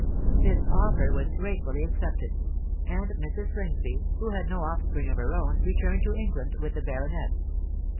This offer was gratefully accepted; and Mrs. Slingsby, who had no offspring of her own, returned to England with the baronet.